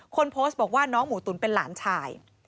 คนโพสต์บอกว่าน้องหมูตุ๋นเป็นหลานชาย